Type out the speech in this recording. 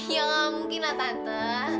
ya gak mungkinlah tante